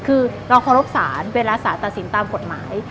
คือเราขอรบศาสตร์เวลาศาสตร์ตัดสินตามกฎหมาย